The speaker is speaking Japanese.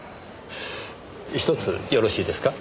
ひとつよろしいですか？